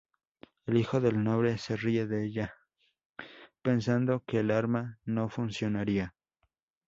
El hijo del noble se ríe de ella, pensando que el arma no funcionaría.